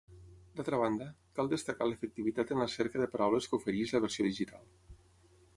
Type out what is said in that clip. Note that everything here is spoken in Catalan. D’altra banda, cal destacar l’efectivitat en la cerca de paraules que ofereix la versió digital.